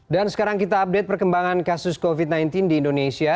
dan sekarang kita update perkembangan kasus covid sembilan belas di indonesia